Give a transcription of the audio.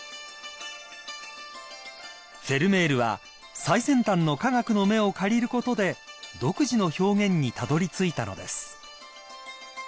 ［フェルメールは最先端の科学の目を借りることで独自の表現にたどりついたのです］